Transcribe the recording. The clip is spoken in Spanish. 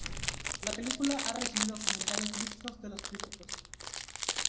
La película ha recibido comentarios mixtos de los críticos.